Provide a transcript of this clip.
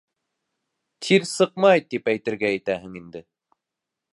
Тир сыҡмай, тип әйтергә итәһең инде?